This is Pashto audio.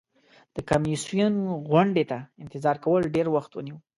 د کمیسیون غونډې ته انتظار کول ډیر وخت ونیو.